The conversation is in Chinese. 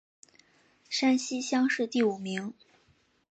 山西乡试第五名。